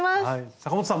阪本さん